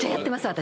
私。